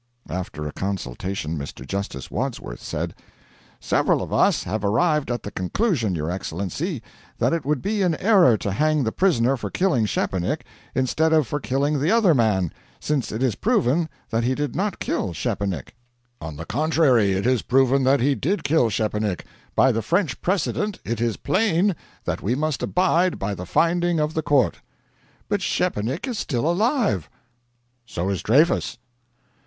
After a consultation, Mr. Justice Wadsworth said: 'Several of us have arrived at the conclusion, your Excellency, that it would be an error to hang the prisoner for killing Szczepanik, instead of for killing the other man, since it is proven that he did not kill Szczepanik.' 'On the contrary, it is proven that he did kill Szczepanik. By the French precedent, it is plain that we must abide by the finding of the court.' 'But Szczepanik is still alive.' 'So is Dreyfus.'